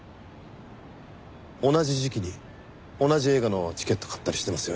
同じ時期に同じ映画のチケット買ったりしてますよね。